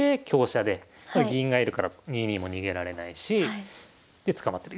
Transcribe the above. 銀が居るから２二も逃げられないしで捕まってる。